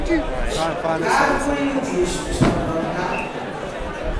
Carcolilo giusto, sta vòtta!